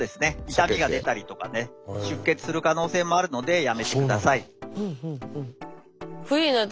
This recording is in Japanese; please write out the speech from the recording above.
痛みが出たりとかね出血する可能性もあるのでやめてください。